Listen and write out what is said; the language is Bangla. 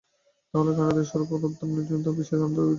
তাহলে কানাডাতে সরোবর, উদ্যান ও নির্জনতার মধ্যে বিশেষ আনন্দে আছ।